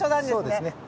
そうですね。